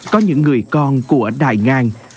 có những người con của đại ngang